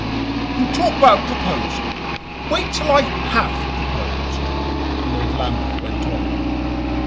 "You talk about proposing: wait till I HAVE proposed," Lord Lambeth went on.